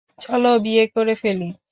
চলো, বিয়ে করে ফেলি।